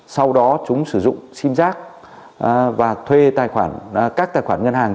sau đó chúng sử dụng sim zac và thuê các tài khoản ngân hàng trên mạng xã hội để sử dụng sim